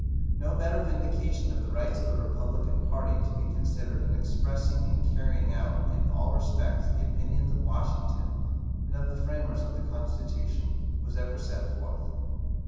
No better vindication of the rights of the Republican party to be considered as expressing and carrying out in all respects the opinions of Washington and of the framers of the Constitution, was ever set forth.